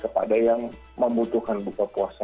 kepada yang membutuhkan buka puasa